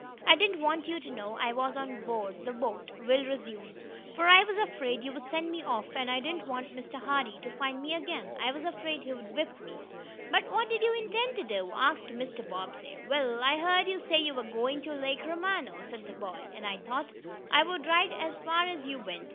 "I didn't want you to know I was on board the boat," Will resumed, "for I was afraid you'd send me off, and I didn't want Mr. Hardee to find me again. I was afraid he'd whip me." "But what did you intend to do?" asked Mr. Bobbsey. "Well, I heard you say you were going to Lake Romano," said the boy, "and I thought I would ride as far as you went.